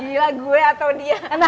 gila gue atau dia